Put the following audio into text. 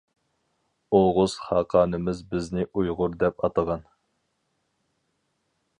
ئوغۇز خاقانىمىز بىزنى ئۇيغۇر دەپ ئاتىغان!